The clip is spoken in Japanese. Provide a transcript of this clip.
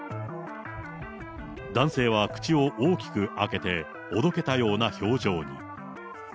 男性は口を大きく開けて、おどけたような表情に。